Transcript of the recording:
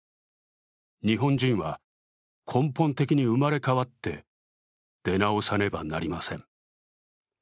日本人は根本的に生まれ変わって出直さねばなりません。